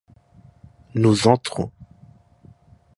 Nous entrons.